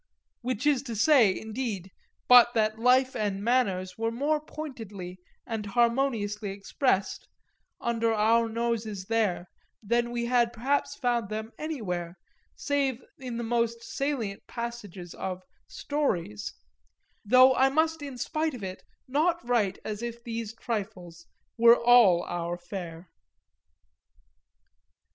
Which is to say indeed but that life and manners were more pointedly and harmoniously expressed, under our noses there, than we had perhaps found them anywhere save in the most salient passages of "stories"; though I must in spite of it not write as if these trifles were all our fare.